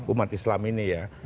umat islam ini ya